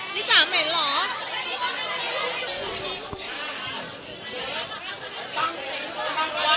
พี่บี้อยู่ไหม